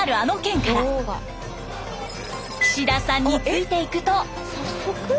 岸田さんについていくと。